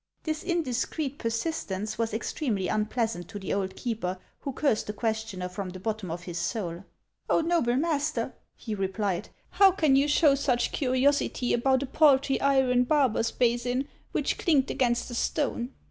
This indiscreet persistence was extremely unpleasant to the old keeper, who cursed the questioner from the bottom of his soul. " Oh, noble master," he replied, " how can you show such curiosity about a paltry iron barber's basin, which clinked against a stone